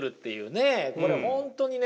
これ本当にね